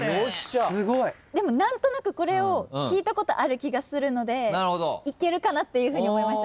でも何となくこれを聞いたことある気がするのでいけるかなっていうふうに思いました。